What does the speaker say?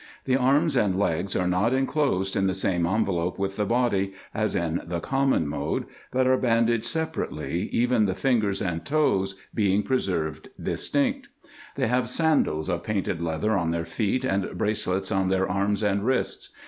The arms and legs are not enclosed in the same IN EGYPT, NUBIA, &c. 171 envelope with the body, as in the common mode, but are bandaged separately, even the ringers and toes being preserved distinct. They have sandals of painted leather on their feet, and bracelets on their arms and wrists.